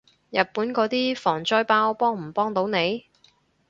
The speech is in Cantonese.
日本嗰啲防災包幫唔幫到你？